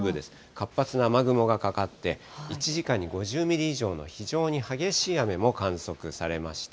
活発な雨雲がかかって、１時間に５０ミリ以上の非常に激しい雨も観測されました。